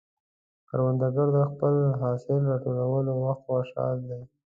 کروندګر د حاصل راټولولو وخت خوشحال دی